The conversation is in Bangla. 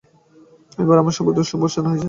এখানে সবার ভাগ্য সুপ্রসন্ন হয় না।